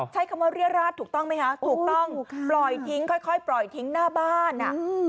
ใช้คำว่าเรียราชถูกต้องไหมคะถูกต้องปล่อยทิ้งค่อยปล่อยทิ้งหน้าบ้านอ่ะ